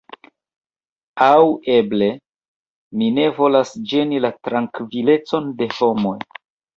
Aŭ eble, mi ne volas ĝeni la trankvilecon de homoj.